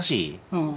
うん。